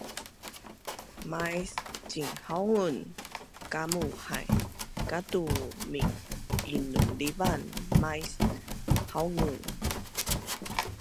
Mais cinhaungun kamu hai, katu min-inulivaan mais haungun